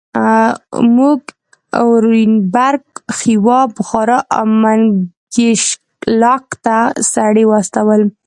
موږ اورینبرګ، خیوا، بخارا او منګیشلاک ته سړي واستول.